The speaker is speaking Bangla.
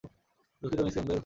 দুঃখিত, মিস ক্যাম্পবেল।